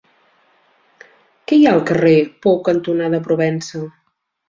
Què hi ha al carrer Pou cantonada Provença?